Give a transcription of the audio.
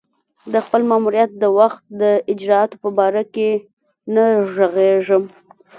د خپل ماموریت د وخت د اجرآتو په باره کې نه ږغېږم.